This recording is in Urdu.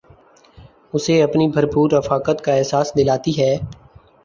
اُسے اپنی بھر پور رفاقت کا احساس دلاتی ہے